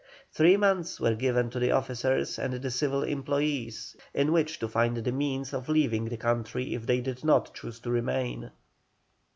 Three months were given to the officers and the civil employés in which to find the means of leaving the country if they did not choose to remain.